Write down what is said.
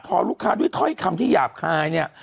พอลูกค้าด้วยถ้อยคำที่หยาบคายเนี่ย